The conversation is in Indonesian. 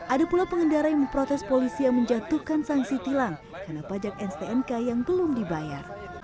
ada pula pengendara yang memprotes polisi yang menjatuhkan sanksi tilang karena pajak stnk yang belum dibayar